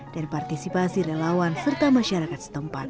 dan partisipasi relawan serta masyarakat setempat